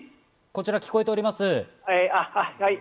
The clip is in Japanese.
こちら聞こえております。